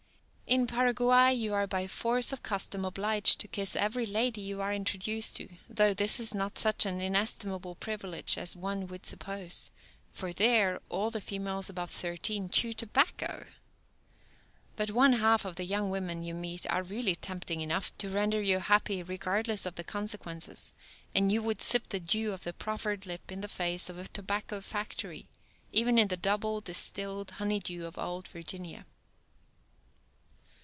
In Paraguay you are by force of custom obliged to kiss every lady you are introduced to, though this is not such an inestimable privilege as one would suppose, for there all the females above thirteen chew tobacco! But one half of the young women you meet are really tempting enough to render you happy regardless of the consequences, and you would sip the dew of the proffered lip in the face of a tobacco factory—even in the double distilled honey dew of old Virginia.